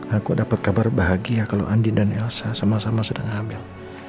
aku dapat kabar bahagia kalau andi dan elsa sama sama sedang hamil